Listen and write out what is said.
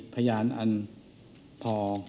พยานอันพอ